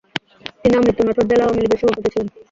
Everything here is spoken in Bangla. তিনি আমৃত্যু নাটোর জেলা আওয়ামী লীগের সভাপতি ছিলেন।